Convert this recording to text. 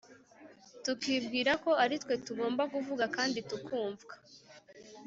tukibwira ko ari twe tugomba kuvuga kandi tukumvwa.